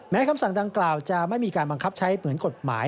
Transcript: คำสั่งดังกล่าวจะไม่มีการบังคับใช้เหมือนกฎหมาย